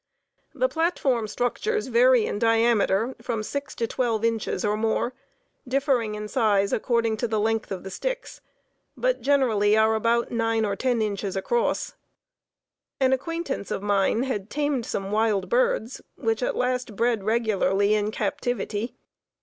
The platform structures vary in diameter from six to twelve inches or more, differing in size according to the length of the sticks, but generally are about nine or ten inches across. An acquaintance of mine had tamed some wild birds, which at last bred regularly in captivity.